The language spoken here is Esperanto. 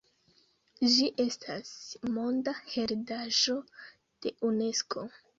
Ĝi estas Monda heredaĵo de Unesko.